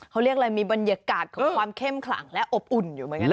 เขาเรียกอะไรมีบรรยากาศของความเข้มขลังและอบอุ่นอยู่เหมือนกันนะ